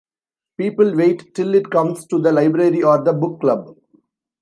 People wait till it comes to the library or the book-club.